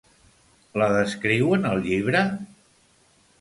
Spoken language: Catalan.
La descriu en el llibre?